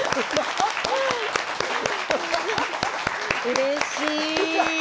うれしい。